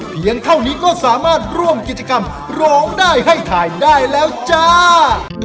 เพียงเท่านี้ก็สามารถร่วมกิจกรรมร้องได้ให้ถ่ายได้แล้วจ้า